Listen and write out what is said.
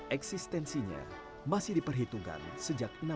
eksistensinya masih diperhitungkan sejak enam tahun silam